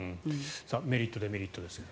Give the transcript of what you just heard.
メリット、デメリットですが。